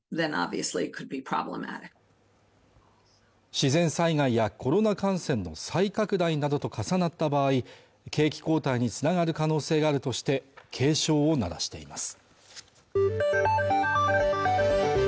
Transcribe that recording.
自然災害やコロナ感染の再拡大などと重なった場合景気後退につながる可能性があるとして警鐘を鳴らしています